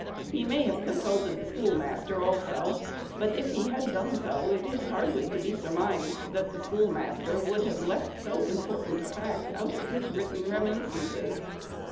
He may have consulted the schoolmaster also; but, if he had done so, it is hardly to be surmised that the schoolmaster would have left so important a fact out of his written reminiscences.